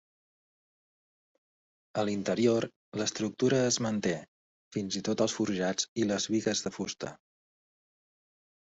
A l’interior l’estructura es manté, fins i tot els forjats i les bigues de fusta.